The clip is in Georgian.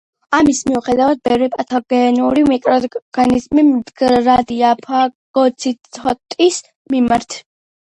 ამის მიუხედავად, ბევრი პათოგენური მიკროორგანიზმი მდგრადია ფაგოციტოზის მიმართ.